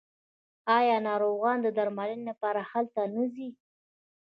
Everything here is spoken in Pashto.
آیا ناروغان د درملنې لپاره هلته نه ځي؟